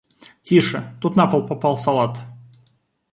Тише, тут на пол попал салат!